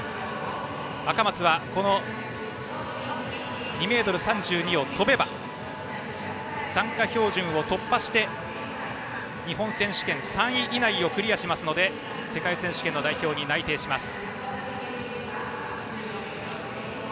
赤松はこの２ｍ３２を跳べば参加標準記録を突破して日本選手権３位以内をクリアしますので世界選手権の代表に内定します。